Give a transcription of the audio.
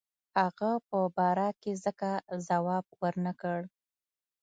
هغه په باره کې ځکه جواب ورنه کړ.